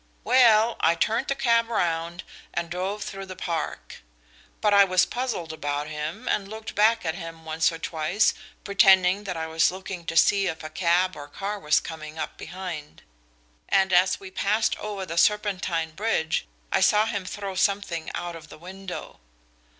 "Well, I turned the cab round and drove through the Park. But I was puzzled about him and looked back at him once or twice pretending that I was looking to see if a cab or car was coming up behind. And as we passed over the Serpentine Bridge I saw him throw something out of the window."